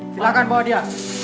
silahkan bawa dia